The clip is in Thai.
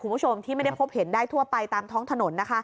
คุณผู้ชมที่ไม่ได้พบเห็นได้ทั่วไปตามท้องถนนนะคะ